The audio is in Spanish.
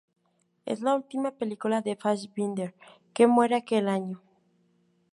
Es la última película de Fassbinder, que muere aquel año.